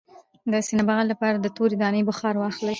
د سینې د بغل لپاره د تورې دانې بخار واخلئ